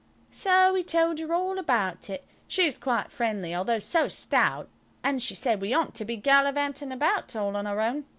So we told her all about it. She was quite friendly, although so stout, and she said we oughtn't to be gallivanting about all on our own.